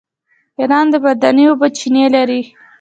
ایران د معدني اوبو چینې لري.